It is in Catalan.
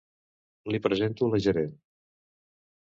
Li presento la gerent.